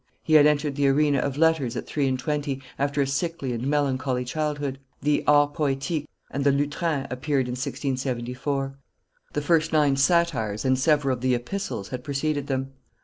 He had entered the arena of letters at three and twenty, after a sickly and melancholy childhood. The Art Poetique and the Lutrin appeared in 1674; the first nine Satires and several of the Epistles had preceded them.